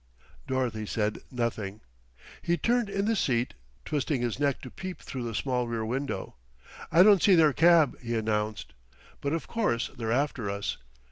Dorothy said nothing. He turned in the seat, twisting his neck to peep through the small rear window. "I don't see their cab," he announced. "But of course they're after us.